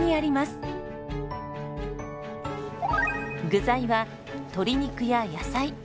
具材は鶏肉や野菜。